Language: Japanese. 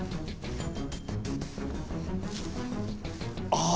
ああ！